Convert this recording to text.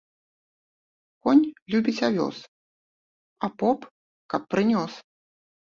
Конь любіць авёс, а поп ‒ каб прынёс